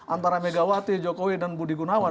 antara megawati jokowi dan budi gunawan